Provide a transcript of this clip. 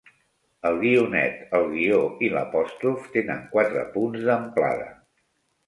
El guionet, el guió i l'apòstrof tenen quatre punts d'amplada.